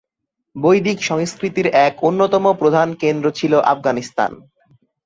বৈদিক সংস্কৃতির এক অন্যতম প্রধান কেন্দ্র ছিল আফগানিস্তান।